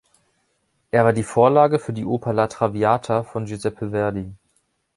Er war die Vorlage für die Oper "La traviata" von Giuseppe Verdi.